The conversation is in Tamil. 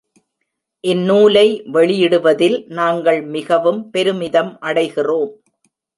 இந்நூலை வெளியிடுவதில் நாங்கள் மிகவும் பெருமிதம் அடைகிறோம்.